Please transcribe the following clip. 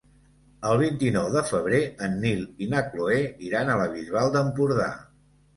El vint-i-nou de febrer en Nil i na Cloè iran a la Bisbal d'Empordà.